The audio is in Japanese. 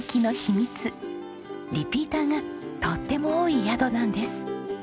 リピーターがとっても多い宿なんです。